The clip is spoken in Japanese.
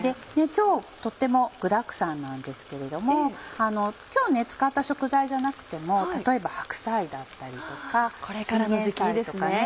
今日とっても具だくさんなんですけれども今日使った食材じゃなくても例えば白菜だったりとかチンゲンサイとかね。